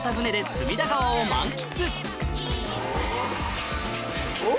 隅田川を満喫